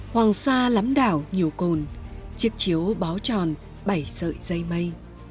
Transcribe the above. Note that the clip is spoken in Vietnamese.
hoàng sa lắm đảo nhiều cồn chiếc chiếu bó tròn bảy sợi dây mây